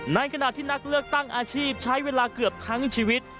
ในขณะที่นักเลือกตั้งอาชีพใช้เวลาเกือบทั้งชีวิต